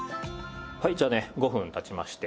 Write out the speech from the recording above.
じゃあね５分経ちまして。